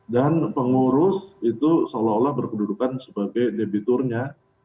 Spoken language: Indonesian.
dan pengurus itu seolah olah berkedudukan sebagai debiturnya